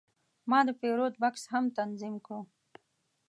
ما د پیرود بکس سم تنظیم کړ.